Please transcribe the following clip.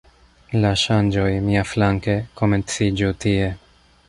La ŝanĝoj, miaflanke, komenciĝu tie.